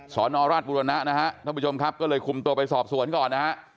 สอนอราชบุรณะนะฮะท่านผู้ชมครับก็เลยคุมตัวไปสอบสวนก่อนนะฮะ